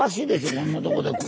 こんなとこで釘。